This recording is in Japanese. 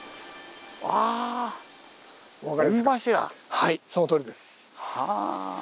はいそのとおりです。